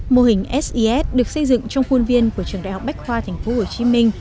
mô hình ses được xây dựng trong khuôn viên của trường đại học bách khoa tp hcm